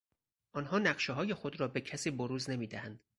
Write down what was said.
آنها نقشههای خود را به کسی بروز نمیدهند.